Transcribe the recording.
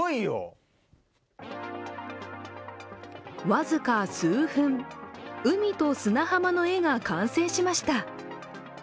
僅か数分、海と砂浜の絵が完成しました。